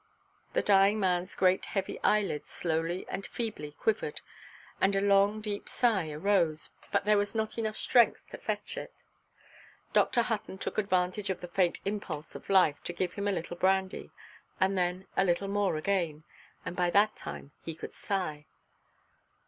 The dying manʼs great heavy eyelids slowly and feebly quivered, and a long deep sigh arose, but there was not strength to fetch it. Dr. Hutton took advantage of the faint impulse of life to give him a little brandy, and then a little more again, and by that time he could sigh.